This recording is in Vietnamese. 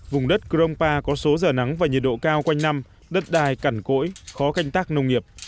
vùng đất cronpa có số giờ nắng và nhiệt độ cao quanh năm đất đai cẳn cỗi khó canh tác nông nghiệp